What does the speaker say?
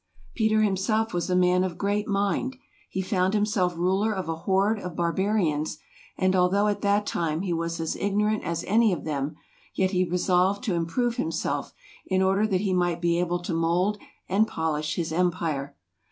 Peter himself was a man of great mind; he found himself ruler of a horde of bar¬ barians, and although at that time he was as ig¬ norant as any of them, yet he resolved to im¬ prove himself, in order that he might be able to mould and polish his empire.